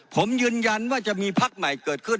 ผมยืนยันว่าจะมีพักใหม่เกิดขึ้น